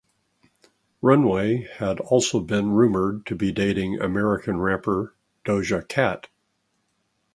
Runway had also been rumoured to be dating American rapper Doja Cat